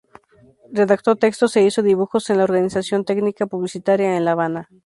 Redactó textos e hizo dibujos en la Organización Tecnica Publicitaria en la Habana.